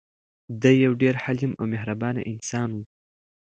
دی یو ډېر حلیم او مهربان انسان و.